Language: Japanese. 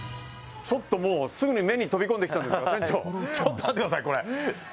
ちょっと、もうすぐに目に飛び込んできたんですけど、ちょっと待ってください！